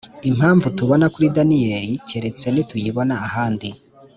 impamvu tubona kuri daniyeli keretse nituyibona ahandi.